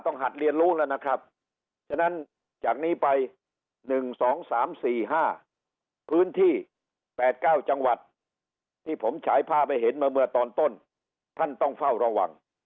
นะครับจากนี้ไป๑๒๓๔๕พื้นที่๘๙จังหวัดที่ผมฉายภาพไปเห็นเมื่อตอนต้นท่านต้องเฝ้าระหวัง